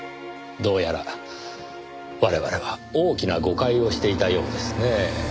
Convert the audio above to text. どうやら我々は大きな誤解をしていたようですねぇ。